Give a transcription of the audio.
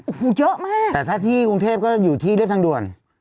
โอ้โหเยอะมากแต่ถ้าที่กรุงเทพก็อยู่ที่ได้ทางด่วน